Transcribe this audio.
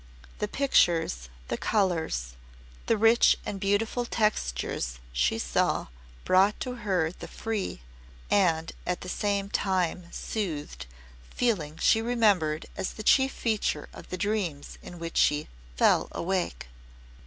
The pictures, the colours, the rich and beautiful textures she saw brought to her the free and at the same time soothed feeling she remembered as the chief feature of the dreams in which she "fell awake."